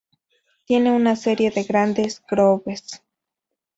Tienen una serie de grandes grooves.